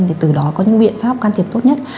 để từ đó có những biện pháp can thiệp tốt nhất